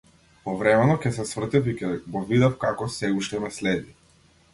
Повремено ќе се свртев и ќе го видев како сѐ уште ме следи.